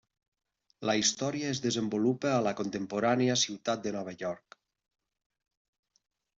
La història es desenvolupa a la contemporània Ciutat de Nova York.